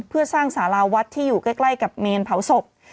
เพื่อสร้างสาราวัดที่อยู่ใกล้กับเมนเผาศพ